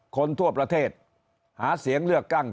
คนทั่วประเทศหาเสียงเลือกตั้ง